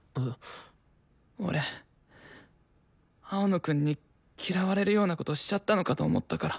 俺青野くんに嫌われるようなことしちゃったのかと思ったから。